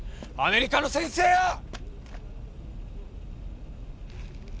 アメリカの先生よ！